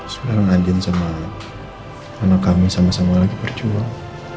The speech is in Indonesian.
sebenarnya anin sama anak kami sama sama lagi berjuang